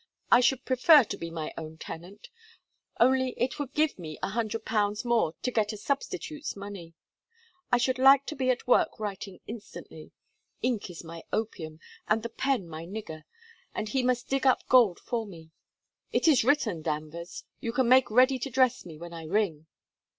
I should prefer to be my own tenant; only it would give me a hundred pounds more to get a substitute's money. I should like to be at work writing instantly. Ink is my opium, and the pen my nigger, and he must dig up gold for me. It is written. Danvers, you can make ready to dress me when I ring.'